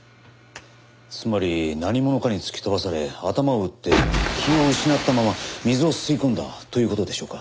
つまり何者かに突き飛ばされ頭を打って気を失ったまま水を吸い込んだという事でしょうか。